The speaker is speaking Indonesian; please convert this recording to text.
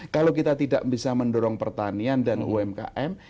kalau kita tidak bisa mendorong pertanian dan umkm